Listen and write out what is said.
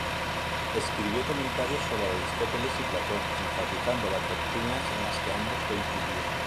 Escribió comentarios sobre Aristóteles y Platón, enfatizando las doctrinas en las que ambos coincidían.